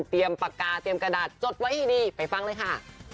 ปากกาเตรียมกระดาษจดไว้ให้ดีไปฟังเลยค่ะ